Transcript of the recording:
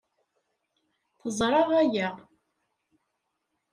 Teẓra aya.